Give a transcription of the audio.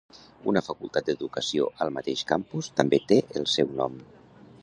Una facultat d'educació al mateix campus també té el seu nom.